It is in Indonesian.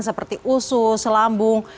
seperti usus lambung